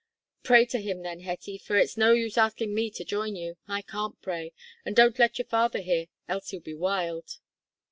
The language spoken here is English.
"Pray to Him, then, Hetty, for it's no use askin' me to join you. I can't pray. An' don't let your father hear, else he'll be wild."